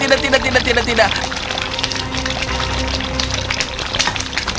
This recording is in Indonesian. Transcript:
tidak tidak tidak tidak tidak tidak tidak tidak tidak tidak